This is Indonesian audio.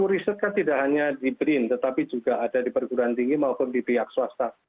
riset kan tidak hanya di brin tetapi juga ada di perguruan tinggi maupun di pihak swasta